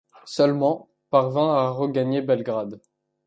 Seulement parvinrent à regagner Belgrade.